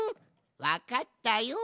わかったよ。